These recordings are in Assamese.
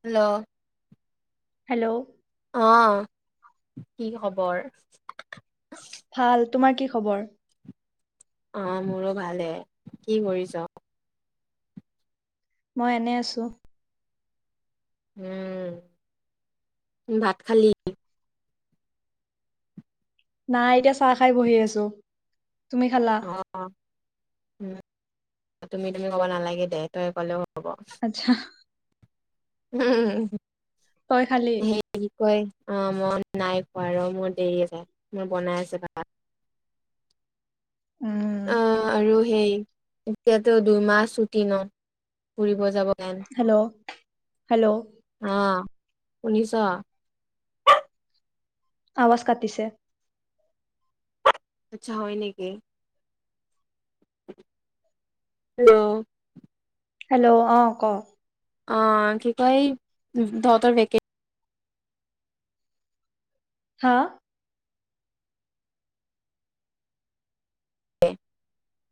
হেল্ল' হেল্ল' অ' কি খবৰ ভাল তোমাৰ কি খবৰ? অ' মোৰো ভালে কি কৰিছ? মই এনে আছোঁ উম ভাত খালি নাই এতিয়া চাহ খাই বহি আছোঁ। অ' উম তুমি তুমি ক'ব নালাগে দে তই ক'লে আচ্ছা উউম তই খালি সেই কি কয় অ' মই নাই খোৱা আৰু মোৰ দেৰি হৈছে মোৰ বনাই আছে ভাত উম অ' আৰু সেই এতিয়াতো দুইমাহ ছুটি ন ফুৰিব যাব প্লেন। হেল্ল', হেল্ল' অ', শুনিছ আৱাজ কাটিছে আচ্ছা হয় নেকি হেল্ল'? অ' ক'। অ' কি কয়? তহঁতৰ ভেকে হা?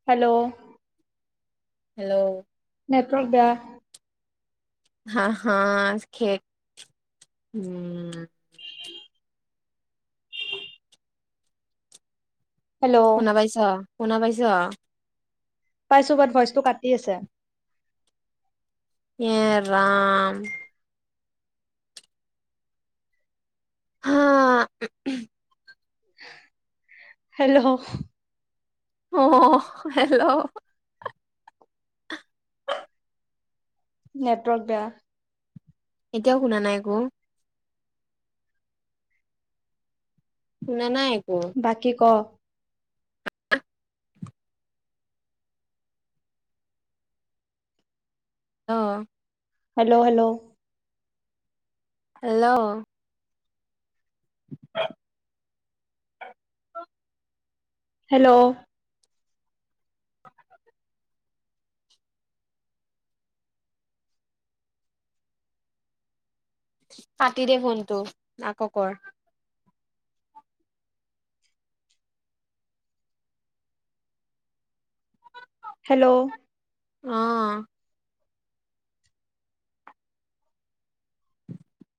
হেল্ল' হেল্ল' নেটৱৰ্ক বেয়া। হা- হা খেক উম। হেল্ল' শুনা পাইছা শুনা পাইছ? পাইছোঁ বাত ভইচটো কাটি আছে ইয়ে ৰাম হা। হেল্ল'? অ' হেল্ল' নেটৱৰ্ক বেয়া এতিয়াও শুনা নাই একো? শুনা নাই একো বাকী ক'? অ'। Hello'- hello? Hello [inaudible] hello? কাটি দে ফোনটো । আকৌ কৰ। হেল্ল'। অ